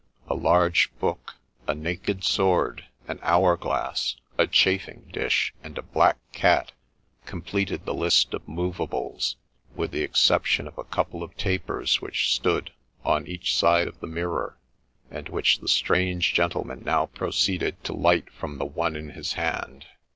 A large book, a naked sword, an hour glass, a chating dish, and a black cat, completed the list of moveables ; with the exception of a couple of tapers which stood on each side of the mirror, and which the strange gentleman now proceeded to light from the one in his hand.